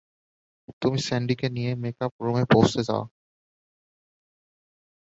তুই স্যান্ডিকে নিয়ে ম্যাকাপ রুমে পৌঁছে যা।